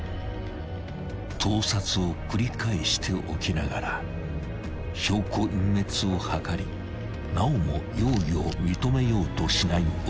［盗撮を繰り返しておきながら証拠隠滅を図りなおも容疑を認めようとしない男］